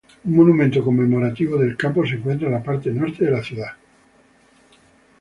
Un monumento conmemorativo del campo se encuentra en la parte norte de la ciudad.